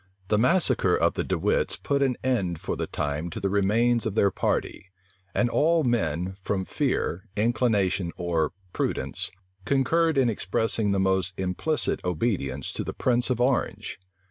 The massacre of the De Wits put an end for the time to the remains of their party; and all men, from fear, inclination, or prudence, concurred in expressing the most implicit obedience to the prince of Orange.